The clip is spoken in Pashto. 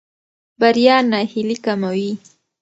بریا ناهیلي کموي.